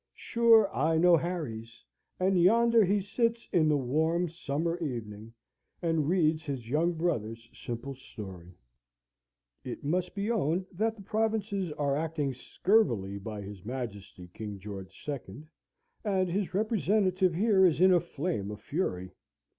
Sure I know Harry's, and yonder he sits in the warm summer evening, and reads his young brother's simple story: "It must be owned that the provinces are acting scurvily by his Majesty King George II., and his representative here is in a flame of fury.